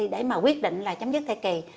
để mà quyết định là chấm dứt thai kỳ